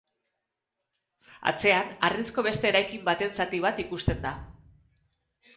Atzean, harrizko beste eraikin baten zati bat ikusten da.